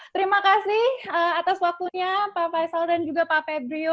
terima kasih atas waktunya pak faisal dan juga pak febrio